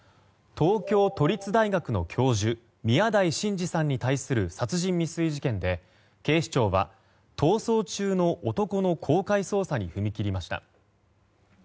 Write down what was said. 東京都立大学の教授宮台真司さんに対する殺人未遂事件で警視庁は逃走中の男の公開捜査に踏み切りました。